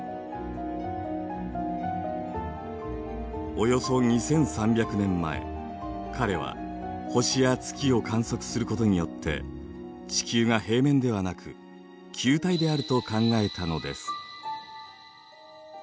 およそ２，３００年前彼は星や月を観測することよって地球が平面ではなく球体であると考えたのです。